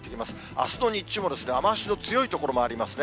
あすの日中も、雨足の強い所もありますね。